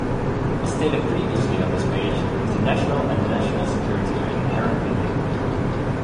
As stated previously on this page, international and national security are inherently linked.